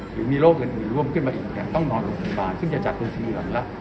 หรือมีโรคอื่นร่วมขึ้นไปอีกเนี่ยต้องนอนโรงพยาบาลซึ่งจะจัดโรคขึ้นอื่นหลังแล้ว